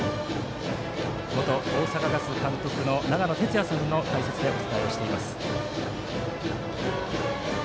元大阪ガス監督の長野哲也さんの解説でお伝えしています。